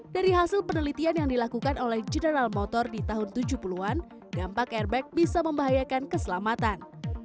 dari hasil penelitian yang dilakukan oleh general motor di tahun tujuh puluh an dampak airbag bisa membahayakan keselamatan